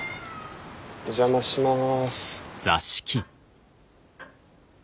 お邪魔します。